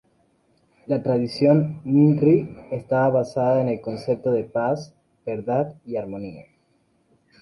La tradición Nri estaba basada en el concepto de paz, verdad y armonía.